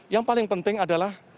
yang paling penting adalah